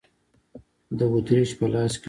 د اتریش په لاس کې و.